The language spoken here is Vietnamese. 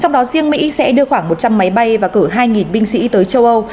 trong đó riêng mỹ sẽ đưa khoảng một trăm linh máy bay và cử hai binh sĩ tới châu âu